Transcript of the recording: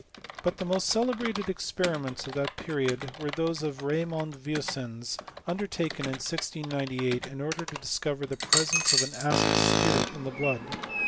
But the most celebrated experiments of that period were those of Raimond Vieussens, undertaken in 169Sj^ in order to discover the presence of an acid spirit in the blood.